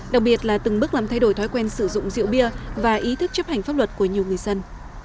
đặc biệt là từng bước làm thay đổi thói quen sử dụng rượu bia và ý thức chấp hành pháp luật của nhiều người dân